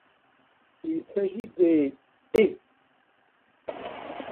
Il s'agit des ' et '.